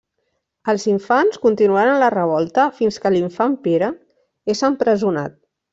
Els infants continuaren la revolta fins que l'infant Pere és empresonat.